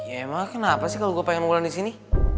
ya emang kenapa sih kalo gua pengen sama wulan disini